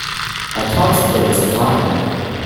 I thought there was a fire.